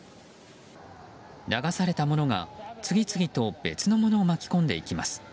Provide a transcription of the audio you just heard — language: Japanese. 流されたものが、次々と別のものを巻き込んでいきます。